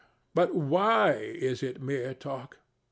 But why is it mere talk?